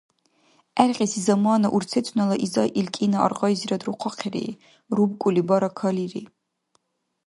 ГӀергъиси замана урцецунала изай ил кӀина аргъайзирад рухъахъири. РубкӀули бара калири.